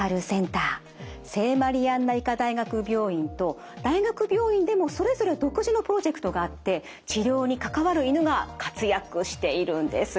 聖マリアンナ医科大学病院と大学病院でもそれぞれ独自のプロジェクトがあって治療に関わる犬が活躍しているんです。